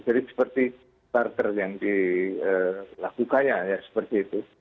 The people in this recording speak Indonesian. jadi seperti starter yang dilakukannya ya seperti itu